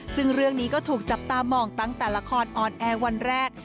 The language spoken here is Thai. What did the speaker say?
ซึ่งเรื่องนี้ก็ถูกจับตามองตั้งแต่ละครออนแอร์วันแรก